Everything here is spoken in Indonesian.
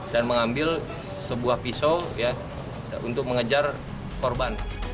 dan mengambil sebuah pisau untuk mengejar korban